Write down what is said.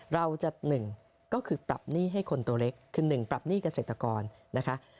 เราจะ๑ก็คือปรับหนี้ให้คนตัวเล็กคือ๑ปรับหนี้เกษตรกรนะคะ